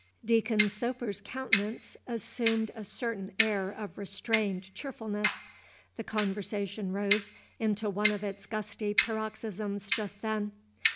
Deacon Soper's countenance assumed a certain air of restrained cheerfulness. The conversation rose into one of its gusty paroxysms just then.